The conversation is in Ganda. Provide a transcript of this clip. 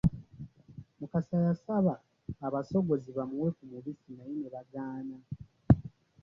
Mukasa yasaba abasogozi bamuwe ku mubisi naye ne bagaana.